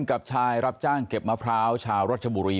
กับชายรับจ้างเก็บมะพร้าวชาวรัชบุรี